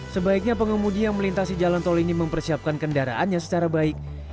sebaiknya pengemudi yang melintasi jalan tol ini mempersiapkan kendaraannya secara baik